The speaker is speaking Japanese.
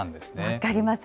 分かります。